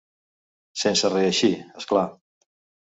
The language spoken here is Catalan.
Sense reeixir, és clar.